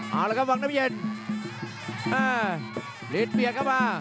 เอาละครับวางน้ำเย็นลิสต์เปียกเข้ามา